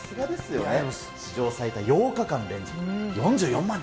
史上最多８日間連続、４４万人。